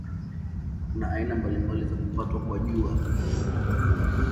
Kuna aina mbalimbali za kupatwa kwa Jua.